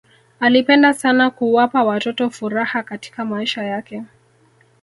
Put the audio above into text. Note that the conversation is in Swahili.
alipenda sana kuwapa watoto furaha katika maisha yake